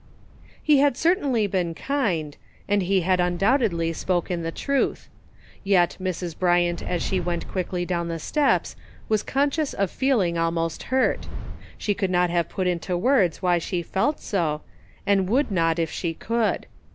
He had certainly been kind, and he had un doubtedly spoken the truth; yet Mrs. Bryant as she went quickly down the steps was con scious of feeling almost hurt; she could not have put into words why she felt so, and would not if she could.